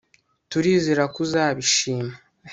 Turizera ko uzabishima